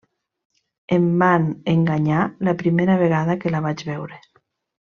Em van enganyar la primera vegada que la vaig veure.